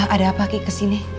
ada apa ki kesini